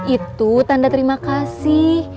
itu tanda terima kasih